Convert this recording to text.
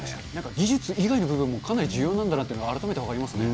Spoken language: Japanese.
技術以外の部分もかなり重要なんだなって、改めて分かりますね。